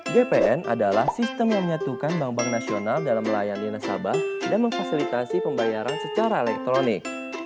gpn adalah sistem yang menyatukan bank bank nasional dalam melayani nasabah dan memfasilitasi pembayaran secara elektronik